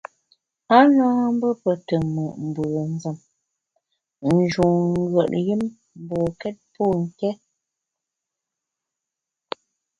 A na mbe pe te mùt mbùnzem, ń njun ngùet yùm mbokét pô nké.